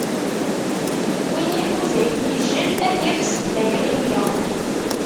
Win iḥuza inijel, ad yaf ssebba i iɣimi.